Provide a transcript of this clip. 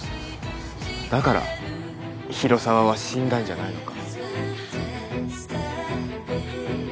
だから広沢は死んだんじゃないのか？